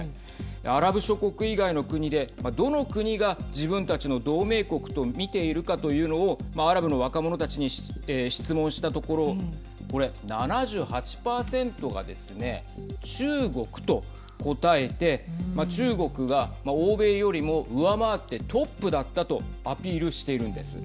アラブ諸国以外の国でどの国が自分たちの同盟国と見ているかというのをアラブの若者たちに質問したところこれ、７８％がですね中国と答えて中国が欧米よりも上回ってトップだったとアピールしているんです。